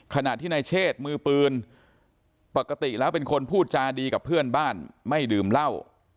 ขณะที่นายเชษมือปืนปกติแล้วเป็นคนพูดจาดีกับเพื่อนบ้านไม่ดื่มเหล้า